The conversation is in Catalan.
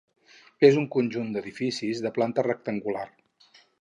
És un conjunt d'edificis de planta rectangular.